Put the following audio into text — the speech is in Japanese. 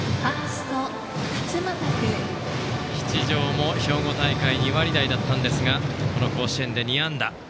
七條も兵庫大会は２割台だったんですがこの甲子園で２安打。